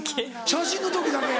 写真の時だけ。